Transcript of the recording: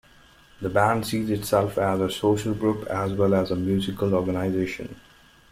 The band sees itself as a social group as well as a musical organisation.